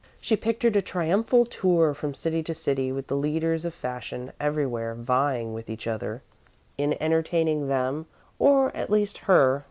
She pictured a triumphal tour from city to city, with the leaders of fashion everywhere vying with each other in entertaining them or, at least, her.